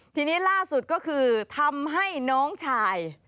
ทีนี้ล่าสุดก็คือทำให้น้องชาย